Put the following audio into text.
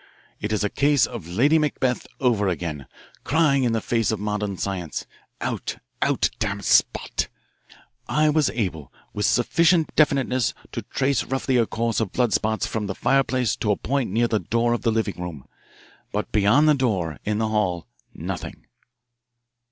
It is a case of Lady Macbeth over again, crying in the face of modern science, 'Out, out, damned spot.' "I was able with sufficient definiteness to trace roughly a course of blood spots from the fireplace to a point near the door of the living room. But beyond the door, in the hall, nothing."